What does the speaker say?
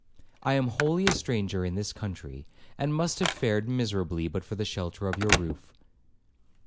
I am wholly a stranger in this country, and must have fared miserably but for the shelter of your roof.'